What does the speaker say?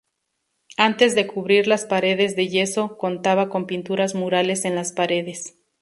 Antes de cubrir las paredes de yeso contaba con pinturas murales en las paredes.